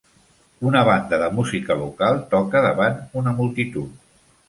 Una banda de música local toca davant una multitud.